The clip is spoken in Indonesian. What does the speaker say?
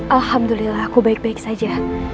alhamdulillah aku baik baik saja